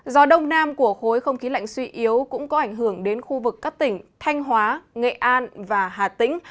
gió đông nam của khối không khí lạnh suy yếu cũng có ảnh hưởng đến khu vực các tỉnh thanh hóa nghệ an và hà tĩnh